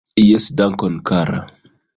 Jes, dankon kara